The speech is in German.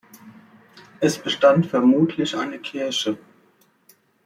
Es bestand vermutlich eine Kirche.